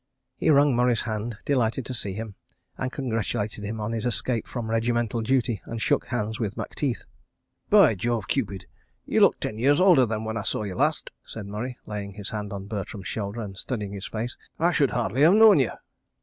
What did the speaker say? He wrung Murray's hand, delighted to see him, and congratulated him on his escape from regimental duty, and shook hands with Macteith. "By Jove, Cupid, you look ten years older than when I saw you last," said Murray, laying his hand on Bertram's shoulder and studying his face. "I should hardly have known you.